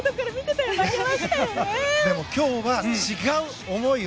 でも今日は違う思いを。